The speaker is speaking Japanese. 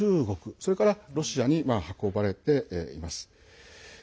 それからロシアに運ばれています。